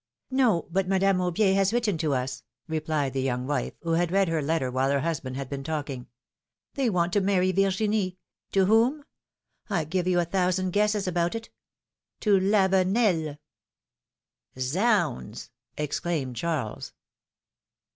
^^ No ; but Madame Aubier has written to us,'^ replied the young wife, who had read her letter while her husband had been talking. ^^They want to marry Virginie — to whom? I give you a thousand guesses about it — to Lavenel.^^ Zounds exclaimed Charles.